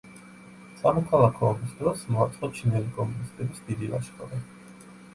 სამოქალაქო ომის დროს მოაწყო ჩინელი კომუნისტების დიდი ლაშქრობა.